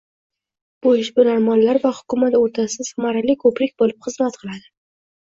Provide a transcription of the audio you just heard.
Bu ishbilarmonlar va hukumat o'rtasida samarali ko'prik bo'lib xizmat qiladi